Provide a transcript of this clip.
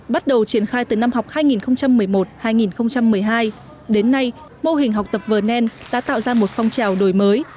bắt đầu triển khai từ năm học hai nghìn một mươi một hai nghìn một mươi hai đến nay mô hình học tập vừa nen đã tạo ra một phong trào đổi mới